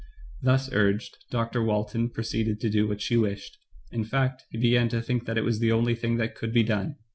Thus urged. Dr. Walton proceeded to do what she wished ; in fact, he began to think that it was the only thing that could be done.